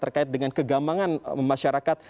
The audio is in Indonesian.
terkait dengan kegambangan masyarakat